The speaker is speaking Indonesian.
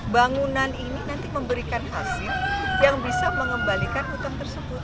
bangunan ini nanti memberikan hasil yang bisa mengembalikan hutang tersebut